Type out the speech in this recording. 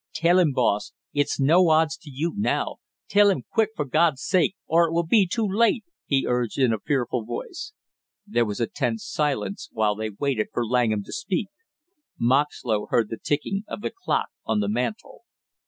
"Tell him, boss; it's no odds to you now tell him quick for God's sake, or it will be too late!" he urged in a fearful voice. There was a tense silence while they waited for Langham to speak. Moxlow heard the ticking of the clock on the mantel.